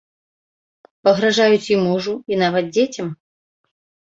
Пагражаюць і мужу, і нават дзецям.